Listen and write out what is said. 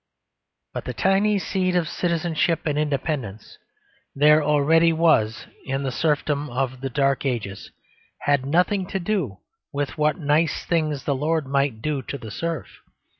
But the tiny seed of citizenship and independence there already was in the serfdom of the Dark Ages, had nothing to do with what nice things the lord might do to the serf.